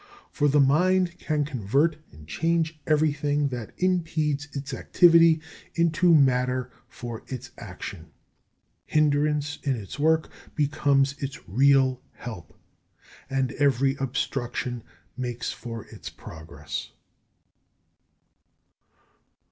For the mind can convert and change everything that impedes its activity into matter for its action; hindrance in its work becomes its real help, and every obstruction makes for its progress.